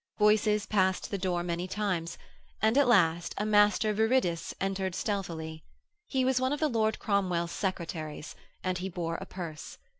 Voices passed the door many times, and at last a Master Viridus entered stealthily. He was one of the Lord Cromwell's secretaries, and he bore a purse.